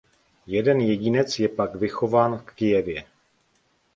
Jeden jedinec je pak chován v Kyjevě.